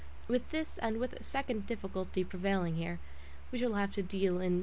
With this and with a second difficulty prevailing here we shall have to deal in detail later.